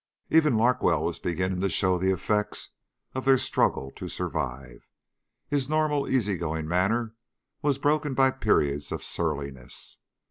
Even Larkwell was beginning to show the affects of their struggle to survive. His normal easygoing manner was broken by periods of surliness.